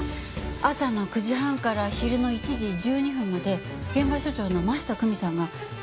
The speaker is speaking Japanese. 朝の９時半から昼の１時１２分まで現場所長の真下久美さんが被害者に同行してたそうです。